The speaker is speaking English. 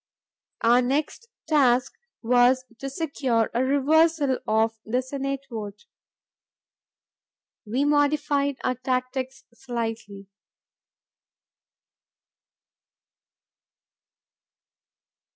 Our next task was to secure a reversal of the Senate vote. We modified our tactics slightly.